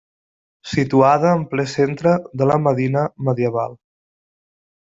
Situada en ple centre de la medina medieval.